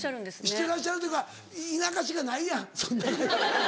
知ってらっしゃるというか田舎しかないやんそんな。